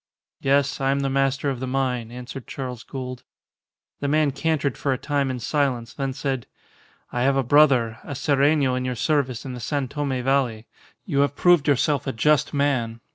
"Yes, I am the master of the mine," answered Charles Gould. The man cantered for a time in silence, then said, "I have a brother, a sereno in your service in the San Tome valley. You have proved yourself a just man.